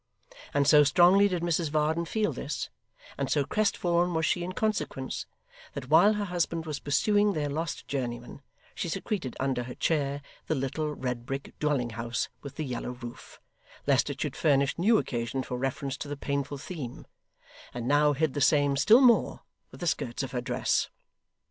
And so strongly did Mrs Varden feel this, and so crestfallen was she in consequence, that while her husband was pursuing their lost journeyman, she secreted under her chair the little red brick dwelling house with the yellow roof, lest it should furnish new occasion for reference to the painful theme; and now hid the same still more, with the skirts of her dress.